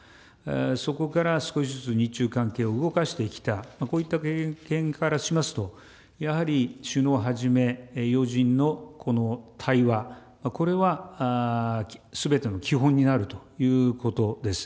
そこから少しずつ日中関係を動かしてきた、こういった経験からしますと、やはり首脳はじめ、要人の対話、これは、すべての基本になるということです。